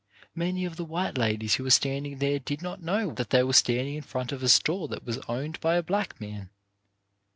Many of the white ladies who were standing there did not know that they were standing in front of a store that was owned by a black man.